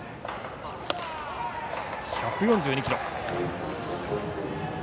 １４２キロ。